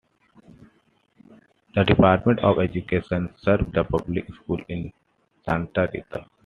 The Department of Education serves the public schools in Santa Rita.